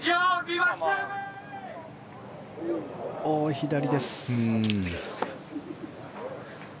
左です。